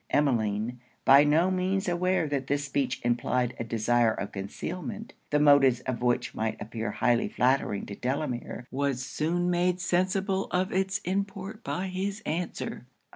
Emmeline, by no means aware that this speech implied a desire of concealment, the motives of which might appear highly flattering to Delamere, was soon made sensible of it's import by his answer.